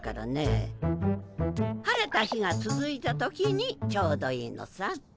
晴れた日がつづいた時にちょうどいいのさ。